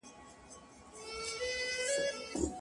د موسم تودوخه پکې رول نه لري.